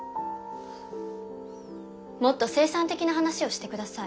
もっと生産的な話をして下さい。